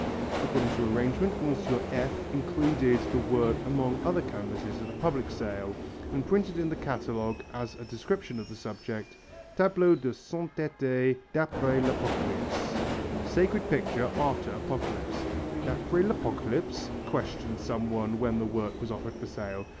According to arrangement, Monsieur F included the work among other canvasses at a public sale and printed in the catalogue as a description of the subject: Tableau de sainteté d'après l'Apocalypse (Sacred picture after Apocalypse). "D'après l'Apocalypse?!" questioned some one when the work was offered for sale.